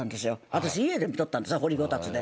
私家で見とったんですよ掘りごたつで。